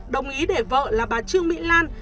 đồng ý để vợ là bà trương mỹ lan